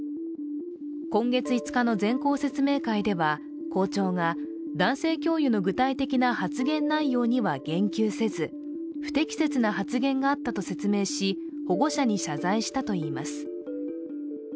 今月５日の全校説明会では校長が男性教諭の具体的な発言内容には言及せず不適切な発言があったと説明し保護者に謝罪したといいます。